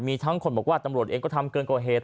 มีทั้งคนบอกว่าตำรวจเองก็ทำเกินกว่าเหตุ